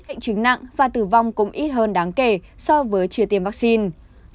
định chứng nặng và tử vong cũng ít hơn đáng kể so với chia tiêm vaccine